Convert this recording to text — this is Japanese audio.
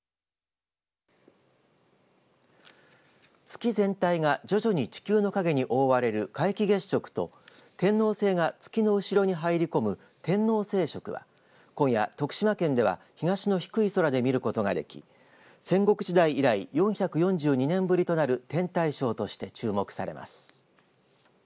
月全体が徐々に地球の影に覆われる皆既月食と天王星が月の後ろに入り込む天王星食は今夜徳島県では東の低い空で見ることができ戦国時代以来４４２年ぶりとなる天体ショーとして注目されます。